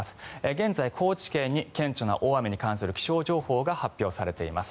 現在高知県に顕著な大雨に関する気象情報が発表されています。